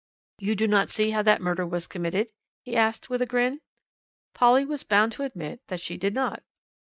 "You do not see how that murder was committed?" he asked with a grin. Polly was bound to admit that she did not.